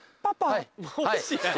はい。